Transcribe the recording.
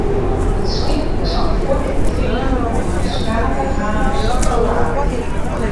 It skip is fuortfearn om yn ferskate havens te laden.